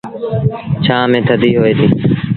ڇآن با ٿڌي هوئي دي۔